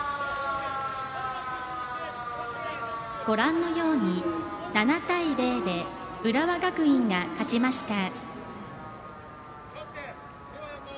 ご覧のように７対０で浦和学院が勝ちました。